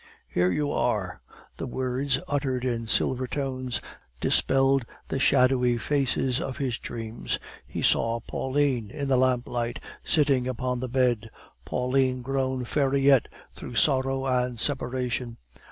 "Here you are!" The words, uttered in silver tones, dispelled the shadowy faces of his dreams. He saw Pauline, in the lamplight, sitting upon the bed; Pauline grown fairer yet through sorrow and separation.